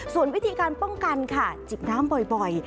ส่วนวิธีการป้องกันค่ะจิบน้ำบ่อย